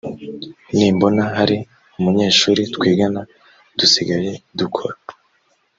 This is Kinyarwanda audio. nimbona hari umunyeshuri twigana dusigaye dukora